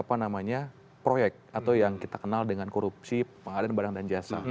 apa namanya proyek atau yang kita kenal dengan korupsi pengadaan barang dan jasa